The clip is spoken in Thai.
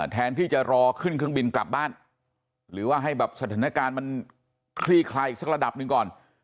แทนที่จะรอขึ้นเครื่องบินกลับบ้านหรือว่าให้แบบสถานการณ์มันคลี่คลายอีกสักระดับหนึ่งก่อน